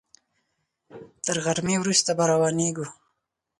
تر غرمې وروسته به روانېږو.